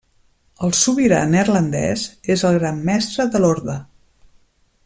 El Sobirà Neerlandès és el Gran Mestre de l'Orde.